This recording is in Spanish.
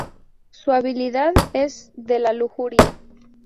Su habilidad es de la lujuria.